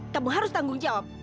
kamu harus tanggung jawab